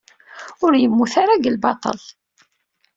Ur yemmut ara deg lbaṭel.